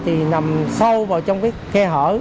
thì nằm sâu vào trong cái khe hở